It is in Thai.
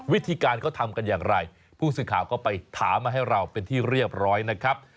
วิธีการเขาทำกันอย่างไรผู้สื่อข่าวก็ไปถามมาให้เราเป็นที่เรียบร้อยนะครับ